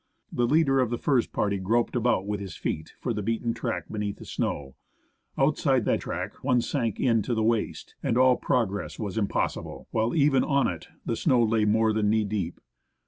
The leader of the first party groped about with his feet for the beaten track beneath the snow ; outside that track one Gank in to the waist, and all progress was impossible ; while even on it the snow lay more than knee deep.